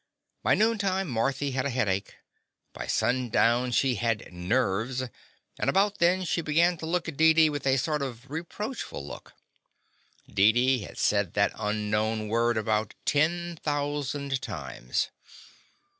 By noon time Marthy ha(|a headache. By sundown she had "nerves," and about then she began to look at Dee dee with a sort of reproachful look. Deedee had said that unknown word about ten thousand times.